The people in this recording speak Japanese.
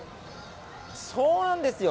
そうなんですよ。